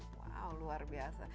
wow luar biasa